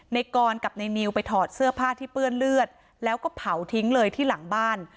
ในกรกับในนิวไปถอดเสื้อผ้าที่เปื้อนเลือดแล้วก็เผาทิ้งเลยที่หลังบ้าน